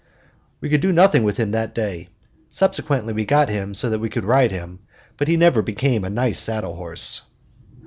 We could do nothing with him that day; subsequently we got him so that we could ride him; but he never became a nice saddle horse.